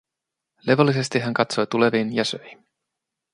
Levollisesti hän katsoi tuleviin ja söi.